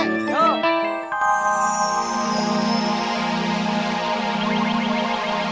aku mau bikin dedek kasus